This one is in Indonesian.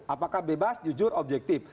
apakah bebas jujur objektif